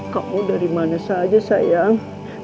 kau dari mana saja sayang